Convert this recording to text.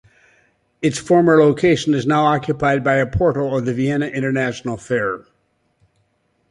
Its former location is now occupied by a portal of the Vienna International Fair.